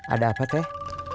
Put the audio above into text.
ada apa teh